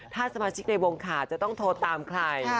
ถ้าสมาชิกในวงขาดจะต้องโทรตามใคร